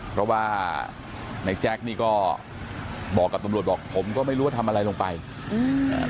เพราะว่าในแจ๊คนี่ก็บอกกับตำรวจบอกผมก็ไม่รู้ว่าทำอะไรลงไปอืมอ่า